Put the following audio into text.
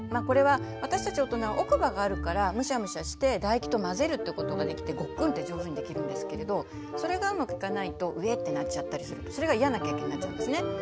これは私たち大人は奥歯があるからムシャムシャして唾液と混ぜるってことができてごっくんって上手にできるんですけれどそれがうまくいかないとうぇってなっちゃったりするとそれが嫌な経験になっちゃうんですね。